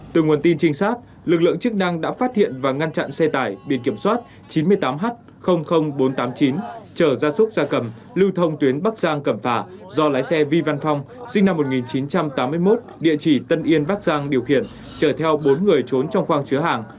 từ nguồn tin trinh sát lực lượng chức năng đã phát hiện và ngăn chặn xe tải biển kiểm soát chín mươi tám h bốn trăm tám mươi chín trở ra súc ra cầm lưu thông tuyến bắc giang cẩm phả do lái xe vi văn phong sinh năm một nghìn chín trăm tám mươi một địa chỉ tân yên bắc giang điều khiển chở theo bốn người trốn trong khoang chứa hàng